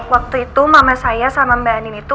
waktu itu mama saya sama mbak anin itu